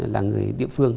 là người địa phương